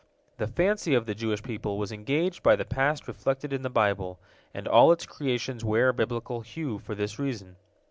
The fancy of the Jewish people was engaged by the past reflected in the Bible, and all its creations wear a Biblical hue for this reason.